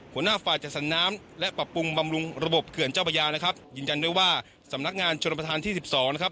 หัวหน้าฝ่ายจัดสรรน้ำและปรับปรุงบำรุงระบบเขื่อนเจ้าพระยานะครับยืนยันด้วยว่าสำนักงานชนประธานที่สิบสองนะครับ